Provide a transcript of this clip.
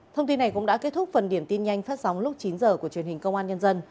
thông tin này cũng đã kết thúc phần điểm tin nhanh phát sóng lúc chín h của truyền hình công an nhân dân